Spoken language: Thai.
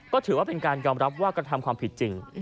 ก็ถือว่าเป็นการยอมรับว่ากระทำความผิดจริง